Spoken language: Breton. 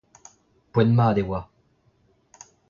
Poent-mat e oa.